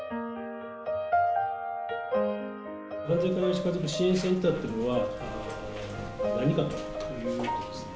犯罪加害者家族支援センターというのは何かというとですね。